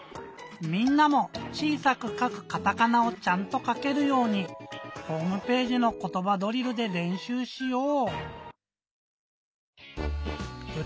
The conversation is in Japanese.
みんなも「ちいさくかくカタカナ」をちゃんとかけるようにホームページの「ことばドリル」でれんしゅうしよう！